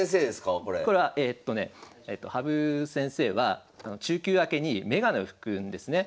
これはえっとね羽生先生は昼休明けに眼鏡を拭くんですね。